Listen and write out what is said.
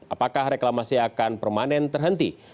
apakah reklamasi akan permanen terhenti